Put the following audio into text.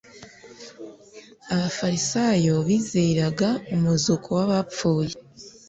” Abafarisayo bizeraga umuzuko w’abapfuye.